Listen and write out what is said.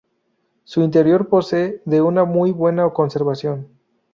Su interior posee de una muy buena conservación.